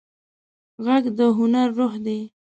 غږ د هنر روح دی